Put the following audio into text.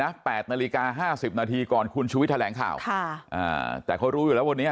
นะ๘นาฬิกา๕๐นาทีก่อนคุณชุวิตแถลงข่าวแต่เขารู้แล้ววันนี้